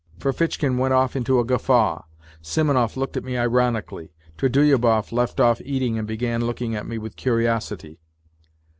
Ferfitchkin went off into a guffaw. Simonov looked at me ironically. Trudolyubov left off eating and began looking at me with curiosity.